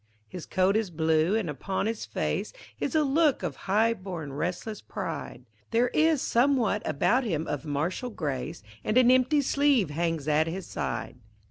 His coat is blue and upon his face Is a look of highborn, restless pride, There is somewhat about him of martial grace And an empty sleeve hangs at his side.